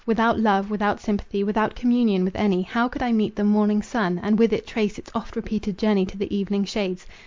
Without love, without sympathy, without communion with any, how could I meet the morning sun, and with it trace its oft repeated journey to the evening shades?